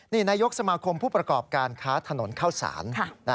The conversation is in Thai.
นี่นายกสมาคมผู้ประกอบการค้าถนนเข้าสาร